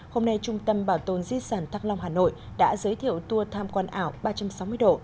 hôm nay trung tâm bảo tồn di sản thăng long hà nội đã giới thiệu tour tham quan ảo ba trăm sáu mươi độ